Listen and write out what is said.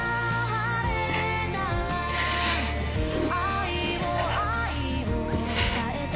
「愛を、愛を伝えて」